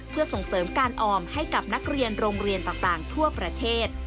เพื่อส่งเสริมการออมให้กับนักเรียนโรงเรียนต่างทั่วประเทศ